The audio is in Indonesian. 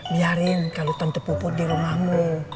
biarin kalo tante pupuk di rumahmu